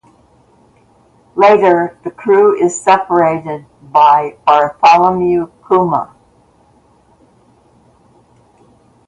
Later, the crew is separated by Bartholomew Kuma.